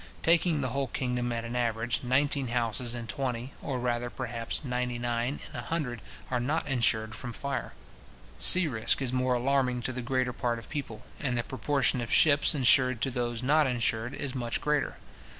Taking the whole kingdom at an average, nineteen houses in twenty, or rather, perhaps, ninety nine in a hundred, are not insured from fire. Sea risk is more alarming to the greater part of people; and the proportion of ships insured to those not insured is much greater.